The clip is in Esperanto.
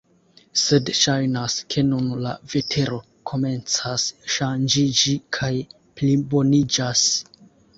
Sed ŝajnas ke nun la vetero komencas ŝanĝiĝi kaj pliboniĝas.